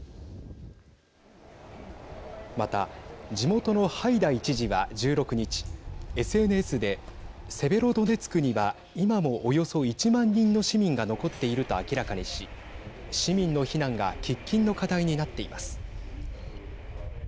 また地元のハイダイ知事は１６日ＳＮＳで、セベロドネツクには今もおよそ１万人の市民が残っていると明らかにし市民の避難が喫緊の課題になっています。